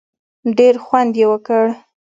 ډېر خوند یې وکړ.